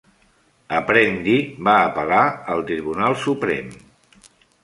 Apprendi va apel·lar al Tribunal Suprem.